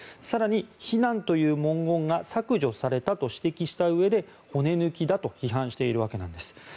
更に、非難という文言が削除されたと指摘したうえで、骨抜きだと批判しているわけなんです。